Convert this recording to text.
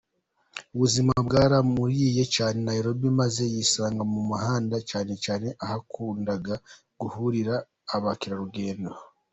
Ubuzima bwaramuriye cyane I Nairobi, maze yisanga mu mihanda, cyane cyane ahakundaga guhurira abakerarugendo.